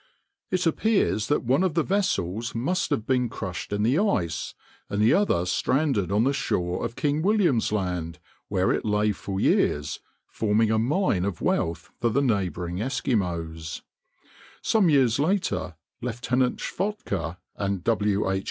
It appears that one of the vessels must have been crushed in the ice, and the other stranded on the shore of King William's Land, where it lay for years, forming a mine of wealth for the neighboring Eskimos. Some years later Lieutenant Schwatka and W. H.